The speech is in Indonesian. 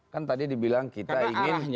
kan tadi dibilang kita ingin